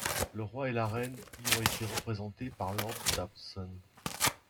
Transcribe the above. Le Roi et la Reine y ont été représentés par Lord Dawson.